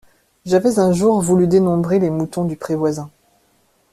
J’avais un jour voulu dénombrer les moutons du pré voisin.